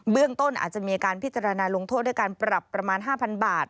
ต้นอาจจะมีการพิจารณาลงโทษด้วยการปรับประมาณ๕๐๐บาท